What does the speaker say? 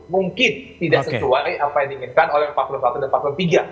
mungkin tidak sesuai apa yang diinginkan oleh empat puluh satu dan pasal tiga